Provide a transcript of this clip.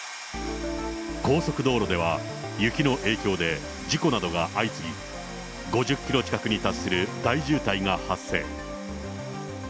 高速道路では、雪の影響で事故などが相次ぎ、５０キロ近くに達する大渋滞が発生。